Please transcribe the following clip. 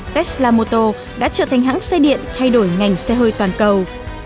tesla motor đã trở thành hãng xe điện thay đổi ngành xe hơi toàn cầu